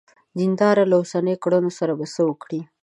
د دیندارانو له اوسنیو کړنو سره به څه وکړې.